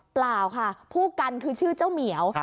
เปล่าค่ะผู้กันคือชื่อเจ้าเหมียว